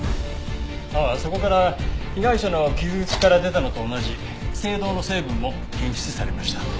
ああそこから被害者の傷口から出たのと同じ青銅の成分も検出されました。